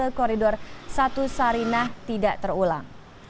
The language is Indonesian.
ke koridor satu sarinah tidak terulang